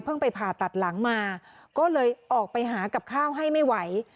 ไปผ่าตัดหลังมาก็เลยออกไปหากับข้าวให้ไม่ไหว